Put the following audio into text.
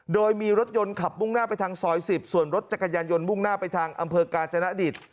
โดยมีรถยนต์ขับมุ่งหน้าไปทางซอย๑๐ส่วนรถจักรยานยนต์มุ่งหน้าไปทางอำเภอกาญจนดิต